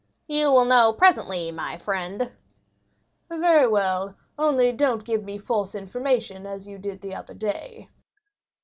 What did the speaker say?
"You will know presently, my friend." "Very well, only do not give me false information as you did the other day."